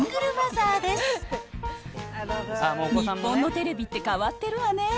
日本のテレビって変わってるわね。